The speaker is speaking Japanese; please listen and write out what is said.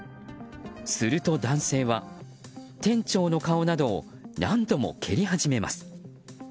すると男性は、店長の顔などを何度も蹴り始めます。